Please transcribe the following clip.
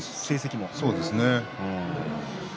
そうですね。